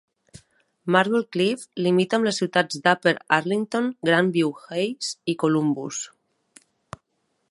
Marble Cliff limita amb les ciutats d'Upper Arlington, Grandview Heights i Columbus.